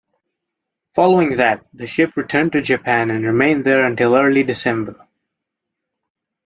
Following that, the ship returned to Japan and remained there until early December.